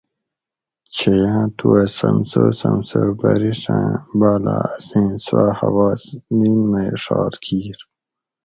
چھیاں توا سمسو سمسو بریڛان بالہ اسیں سوا حواس نین مے ڄھار کیر